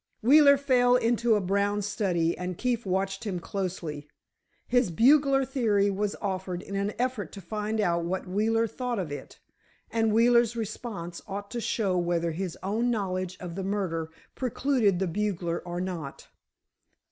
Wheeler fell into a brown study and Keefe watched him closely. His bugler theory was offered in an effort to find out what Wheeler thought of it, and Wheeler's response ought to show whether his own knowledge of the murder precluded the bugler or not.